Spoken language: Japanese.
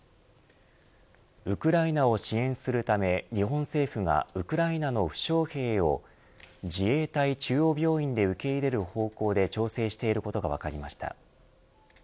ウクライナを支援するため日本政府がウクライナの負傷兵を自衛隊中央病院で受け入れる方向で調整していることが分かりました。